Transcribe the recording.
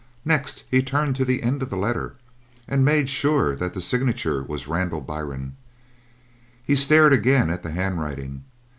Next he turned to the end of the letter and made sure that the signature was "Randall Byrne." He stared again at the handwriting.